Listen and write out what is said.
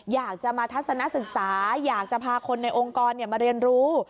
อยากจะมาทัศนศึกษาอยากจะพาคนในองค์กรมาเรียนรู้